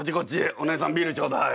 おねえさんビールちょうだい。